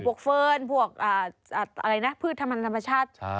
เฟิร์นพวกอะไรนะพืชธรรมชาติ